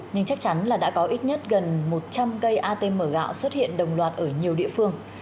nhưng chắc chắn là đã có ít nhất gần một trăm linh cây atm gạo xuất hiện đồng loạt ở nhiều địa phương